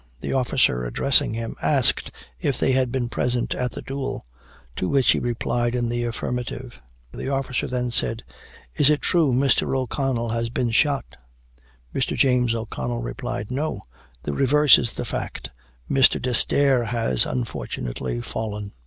The officer, addressing him, asked if they had been present at the duel, to which he replied in the affirmative. The officer then said, "Is it true Mr. O'Connell has been shot?" Mr. James O'Connell replied, "No; the reverse is the fact; Mr. D'Esterre has unfortunately fallen."